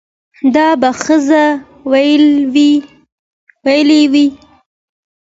دا به ښځې ويلې وي